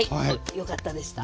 よかったでした。